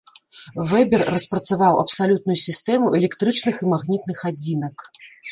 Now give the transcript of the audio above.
Вебер распрацаваў абсалютную сістэму электрычных і магнітных адзінак.